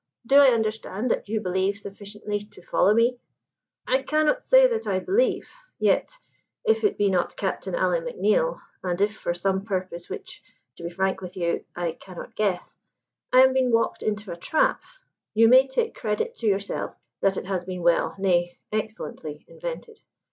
Do I understand that you believe sufficiently to follow me?" "I cannot say that I believe. Yet if it be not Captain Alan McNeill, and if for some purpose which to be frank with you I cannot guess, I am being walked into a trap, you may take credit to yourself that it has been well, nay excellently, invented.